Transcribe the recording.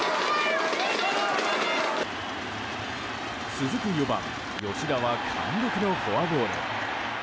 続く４番、吉田は貫禄のフォアボール。